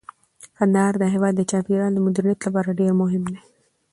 کندهار د هیواد د چاپیریال د مدیریت لپاره ډیر مهم دی.